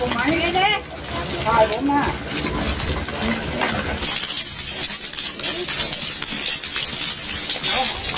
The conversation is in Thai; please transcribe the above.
ผมไม่ได้ทำอะไรผิดครับ